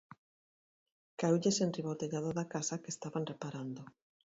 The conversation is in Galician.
Caeulles enriba o tellado da casa que estaban reparando.